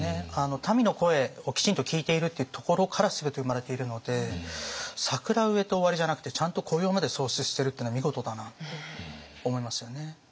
民の声をきちんと聞いているっていうところから全て生まれているので桜植えて終わりじゃなくてちゃんと雇用まで創出してるっていうのは見事だなって思いますよね。